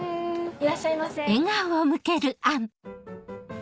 いらっしゃいませ。